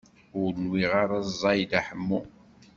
Ur nwiɣ ara ẓẓay Dda Ḥemmu.